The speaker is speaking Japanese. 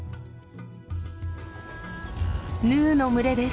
ヌーの群れです。